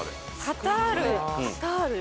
カタール？